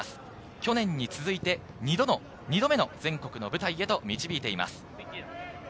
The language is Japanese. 去年に続いて、２度目の全国の舞台へと導いています。